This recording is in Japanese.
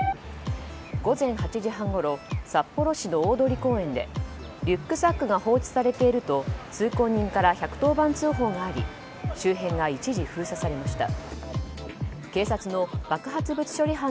午前８時半ごろ札幌市の大通公園でリュックサックが放置されていると、通行人から１１０番通報があり周辺が一時封鎖されました。